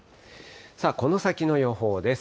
この先の予報です。